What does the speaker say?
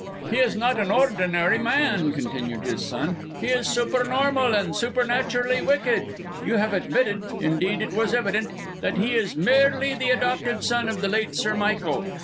"He is not an ordinary mortal," continued his son. "He is supernormal and supernaturally wicked. You have admitted indeed it was evident that he is merely the adopted son of the late Sir Michael.